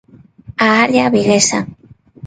A área viguesa.